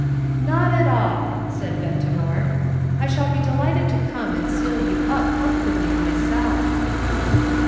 "Not at all," said Ventimore. "I shall be delighted to come and seal you up comfortably myself."